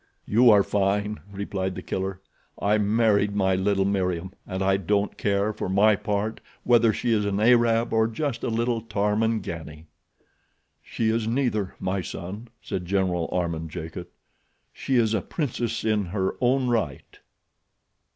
"You are fine," replied The Killer. "I married my little Meriem, and I don't care, for my part, whether she is an Arab, or just a little Tarmangani." "She is neither, my son," said General Armand Jacot. "She is a princess in her own right."